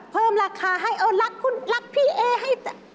เพิ่มราคาให้เออรักคุณรักพี่เอให้